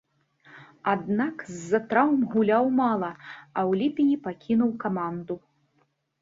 Аднак, з-за траўм гуляў мала, а ў ліпені пакінуў каманду.